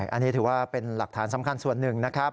อันนี้ถือว่าเป็นหลักฐานสำคัญส่วนหนึ่งนะครับ